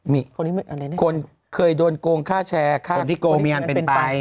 มีคนเคยโดนโกงค่าแชร์ค่าคนที่โกงมีอันเป็นไป